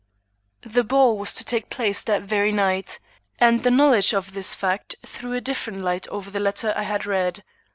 The ball was to take place that very night; and the knowledge of this fact threw a different light over the letter I had read.